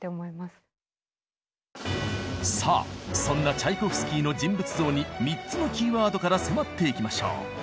そんなチャイコフスキーの人物像に３つのキーワードから迫っていきましょう。